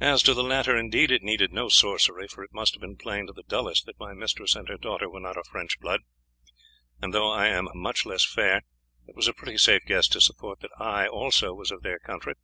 As to the latter, indeed, it needed no sorcery, for it must have been plain to the dullest that my mistress and her daughter were not of French blood, and though I am much less fair, it was a pretty safe guess to suppose that I also was of their country.